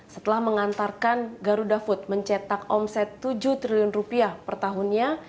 setelah mengantarkan garuda food mencetak omset tujuh triliun rupiah per tahunnya